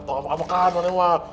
apa pengen makan orang ini wak